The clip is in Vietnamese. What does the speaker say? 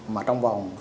mà trong vòng